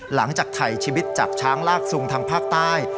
หลังจากไถ่ชีวิตจากช้างลากสูงทางภาคใต้